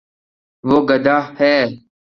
وہ گد ہ ہے